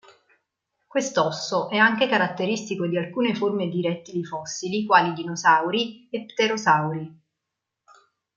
Quest'osso è anche caratteristico di alcune forme di rettili fossili quali dinosauri e pterosauri.